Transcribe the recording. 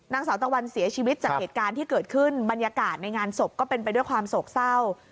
นางสาวตะวันเสียชีวิตจากเหตุการณ์ที่เกิดขึ้นบรรยากาศในงานศพก็เป็นไปด้วยความโศกเศร้า